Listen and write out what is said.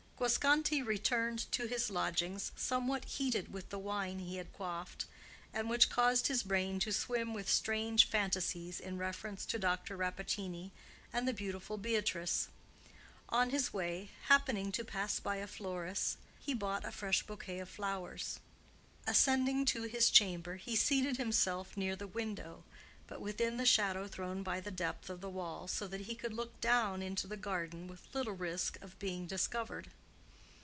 Guasconti returned to his lodgings somewhat heated with the wine he had quaffed, and which caused his brain to swim with strange fantasies in reference to Dr. Rappaccini and the beautiful Beatrice. On his way, happening to pass by a florist's, he bought a fresh bouquet of flowers. Ascending to his chamber, he seated himself near the window, but within the shadow thrown by the depth of the wall, so that he could look down into the garden with little risk of being discovered.